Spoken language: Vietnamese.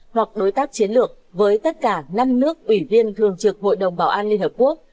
hoặc đối tác chiến lược với tất cả năm nước ủy viên thường trực hội đồng bảo an liên hợp quốc